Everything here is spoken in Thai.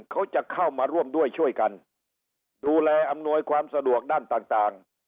เขาจะเข้ามาร่วมด้วยช่วยกันดูแลอำนวยความสะดวกด้านต่าง